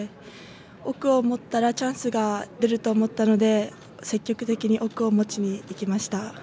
奥を持ったらチャンスが出ると思ったので積極的に奥を持ちにいきました。